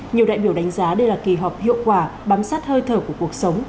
nhiều đại biểu đánh giá đây là kỳ họp hiệu quả bám sát hơi thở của cuộc sống